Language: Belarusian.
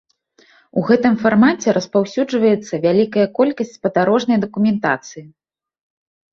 У гэтым фармаце распаўсюджваецца вялікая колькасць спадарожнай дакументацыі.